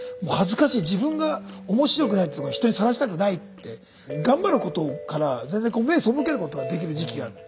自分が面白くないってとこを人にさらしたくないって頑張ることから全然目背けることができる時期があって。